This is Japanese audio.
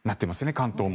関東も。